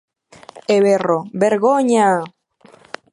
E berro: Vergoña!